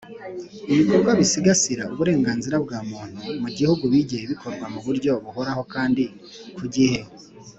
Ibikorwa bisigasira uburenganzira bwa Muntu mu Gihugu bijye bikorwa mu buryo buhoraho kandi ku gihe.